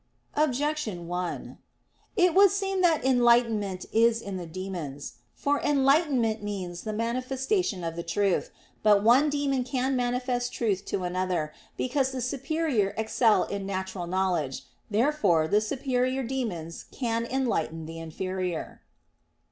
Objection 1: It would seem that enlightenment is in the demons. For enlightenment means the manifestation of the truth. But one demon can manifest truth to another, because the superior excel in natural knowledge. Therefore the superior demons can enlighten the inferior.